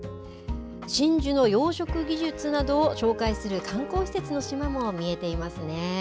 真珠の養殖技術などを紹介する観光施設の島も見えていますね。